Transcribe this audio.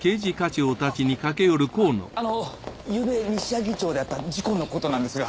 あっあのゆうべ西柳町であった事故のことなんですが。